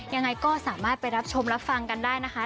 ยังไงก็สามารถไปรับชมรับฟังกันได้นะคะ